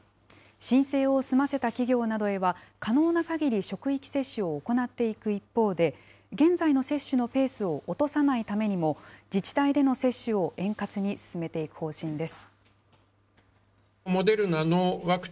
申請を済ませた企業などへは、可能なかぎり職域接種を行っていく一方で、現在の接種のペースを落とさないためにも、自治体での接種を円滑に進めていく方針です。